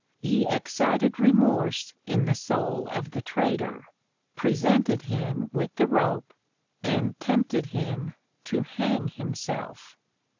He excited remorse in the soul of the traitor, presented him with the rope, and tempted him to hang himself.